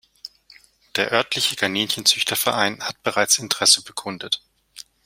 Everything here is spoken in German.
Der örtliche Kaninchenzüchterverein hat bereits Interesse bekundet.